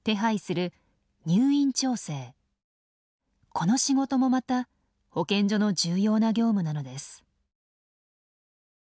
この仕事もまた保健所の重要な業務なのです。